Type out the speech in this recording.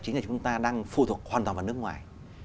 chính là chúng ta đang phụ thuộc hoàn toàn vào nước ngoài